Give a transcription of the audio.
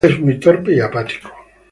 Él es muy torpe y apático.